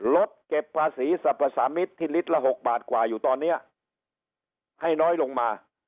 ลดเก็บภาษีสรรพสามิตรที่ลิตรละ๖บาทกว่าอยู่ตอนนี้ให้น้อยลงมา